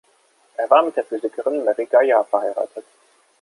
Er war mit der Physikerin Mary Gaillard verheiratet.